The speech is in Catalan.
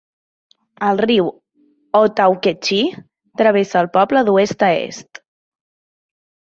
El riu Ottauquechee travessa el poble d'oest a est.